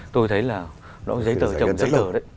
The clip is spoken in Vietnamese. tôi thấy là giấy tờ trồng giấy tờ đấy